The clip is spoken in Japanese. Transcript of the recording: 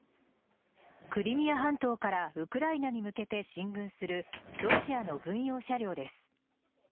クリミア半島からウクライナに向けて進軍するロシアの軍用車両です。